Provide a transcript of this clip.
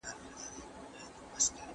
د خیال په زغرو مست دی پهلوان به بدل نه سي.